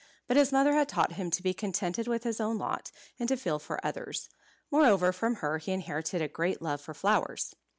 But his mother had taught him to be contented with his own lot, and to feel for others. Moreover, from her he inherited a great love for flowers.